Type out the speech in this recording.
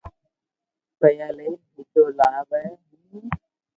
پيا لئين ھيدو لاوُ ھون